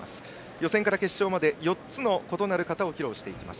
予選から決勝まで４つの異なる形を披露していきます。